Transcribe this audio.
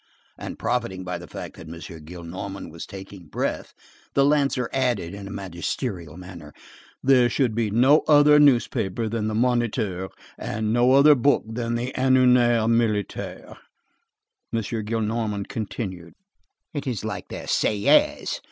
And profiting by the fact that M. Gillenormand was taking breath, the lancer added in a magisterial manner:— "There should be no other newspaper than the Moniteur, and no other book than the Annuaire Militaire." M. Gillenormand continued:— "It is like their Sieyès!